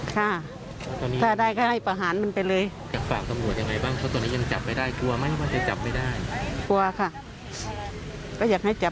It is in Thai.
ก็อยากให้จับได้เร็วค่ะ